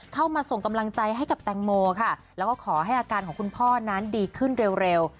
เข้ามาส่งกำลังใจให้กับแตงโมค่ะแล้วก็ขอให้อาการของคุณพ่อนั้นดีขึ้นเร็ว